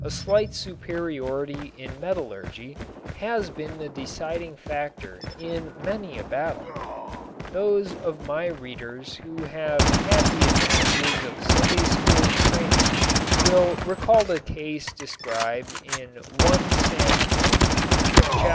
A slight superiority in metallurgy has been the deciding factor in many a battle. Those of my readers who have had the advantages of Sunday school training will recall the case described in I Samuel 13:19 22.